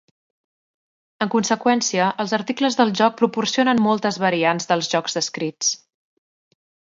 En conseqüència, els articles del joc proporcionen moltes variants dels jocs descrits.